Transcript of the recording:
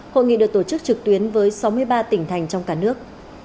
hội nghị được tổ chức trực tuyến với sáu mươi ba tỉnh thành trong cả nước